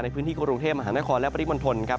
ในพื้นที่กรุงเทพมหานครและปริมณฑลครับ